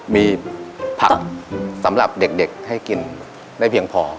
มีผักสำหรับเด็กให้กินได้เพียงพอ